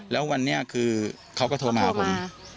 แล้ววันนี้คือเขาก็โทรมาหาผม